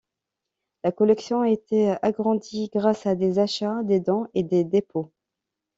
La collection a été agrandie grâce à des achats, des dons et des dépôts.